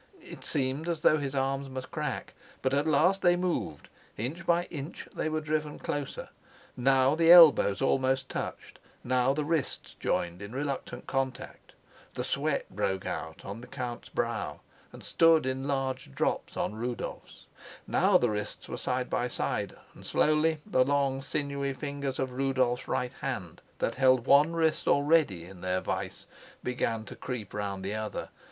It seemed as though his arms must crack; but at last they moved. Inch by inch they were driven closer; now the elbows almost touched; now the wrists joined in reluctant contact. The sweat broke out on the count's brow, and stood in large drops on Rudolf's. Now the wrists were side by side, and slowly the long sinewy fingers of Rudolf's right hand, that held one wrist already in their vise, began to creep round the other.